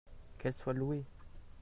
qu'elle soit louée.